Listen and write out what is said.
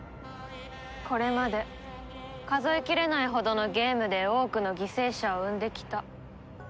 これまで数えきれないほどのゲームで多くの犠牲者を生んできた。